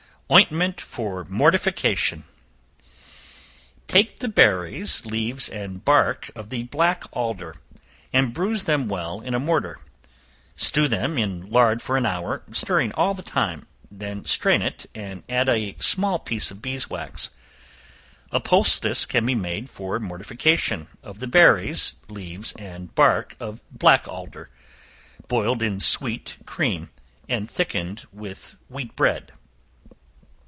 Ointment for Mortification. Take the berries, leaves and bark of the black alder, and bruise them well in a mortar; stew them in lard for an hour, stirring all the time; then strain it, and add a small piece of beeswax. A poultice can be made for mortification, of the berries, leaves and bark of black alder, boiled in sweet cream, and thickened with wheat bread.